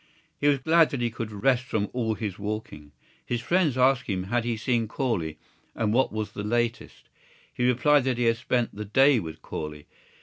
He was glad that he could rest from all his walking. His friends asked him had he seen Corley and what was the latest. He replied that he had spent the day with Corley.